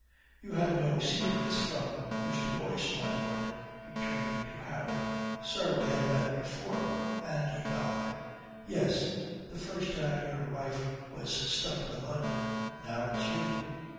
"You have no secrets from Mr. Boyce, my lord." He turned to Harry. "Sir, we have met before," and he bowed. "Yes. The first time your wife was stuck in the mud. Now it's you."